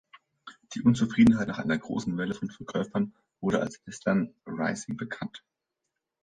Die Unzufriedenheit nach einer großen Welle von Verkäufen wurde als Western Rising bekannt.